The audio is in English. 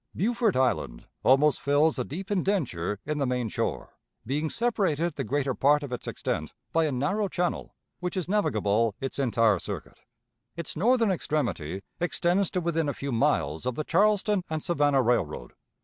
Beaufort Island almost fills a deep indenture in the main shore, being separated the greater part of its extent by a narrow channel, which is navigable its entire circuit. Its northern extremity extends to within a few miles of the Charleston and Savannah Railroad.